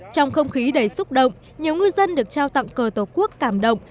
trong không khí đầy xúc động nhiều ngư dân được trao tặng cờ tổ quốc cảm động